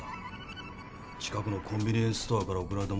近くのコンビニエンスストアから送られたものだ。